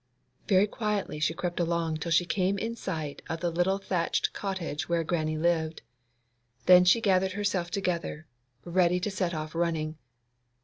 Very quietly she crept along till she came in sight of the little thatched cottage where Grannie lived. Then she gathered herself together, ready to set off running.